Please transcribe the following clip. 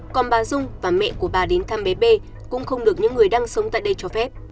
còn bà dung và mẹ của bà đến thăm bé b cũng không được những người đang sống tại đây cho phép